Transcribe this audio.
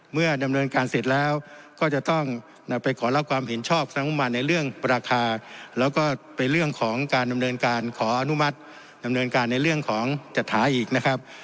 เมื่อดำเนินการเสร็จแล้วก็จะต้องไปขอรับความเห็นชอบสำนักงบประมาณในเรื่องราคาแล้วก็เป็นเรื่องของการดำเนินการขออนุมัติดำเนินการในเรื่องของจัดหาอีกนะครับ